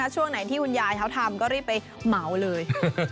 ช่วงไหนที่คุณยายเขาทำก็รีบไปเหมาเลย